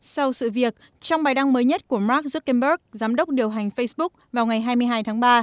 sau sự việc trong bài đăng mới nhất của mark zuckermberg giám đốc điều hành facebook vào ngày hai mươi hai tháng ba